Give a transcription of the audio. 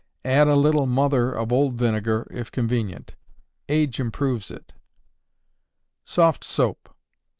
Add a little "mother" of old vinegar if convenient. Age improves it. _Soft Soap.